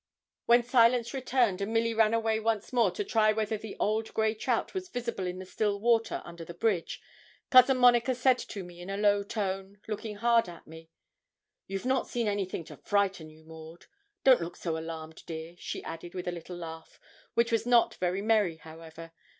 When silence returned, and Milly ran away once more to try whether the old gray trout was visible in the still water under the bridge, Cousin Monica said to me in a low tone, looking hard at me 'You've not seen anything to frighten you, Maud? Don't look so alarmed, dear,' she added with a little laugh, which was not very merry, however.